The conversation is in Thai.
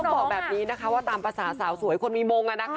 แล้วต้องบอกแบบนี้นะคะว่าตามภาษาสาวสวยคนมีมงค์อะนะคะ